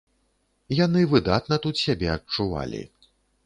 Яны выдатна тут сябе адчувалі.